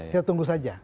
kita tunggu saja